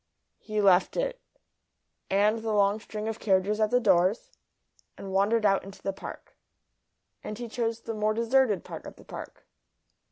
He left it, and the long string of carriages at the doors, and wandered out into the Park. And he chose the more deserted part of the Park.